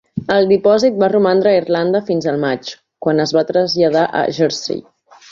El dipòsit va romandre a Irlanda fins al maig, quan es va traslladar a Jersey.